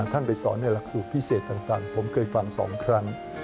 ท่านไปสอนในหลักสูตรพิเศษต่างผมเคยฟัง๒ครั้ง